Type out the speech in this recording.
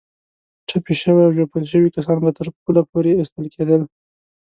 ټپي شوي او ژوبل کسان به تر پله پورې ایستل کېدل.